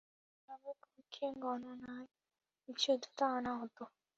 এভাবে কক্ষীয় গণনায় বিশুদ্ধতা আনা হত।